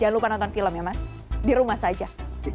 jangan lupa nonton film ya mas di rumah saja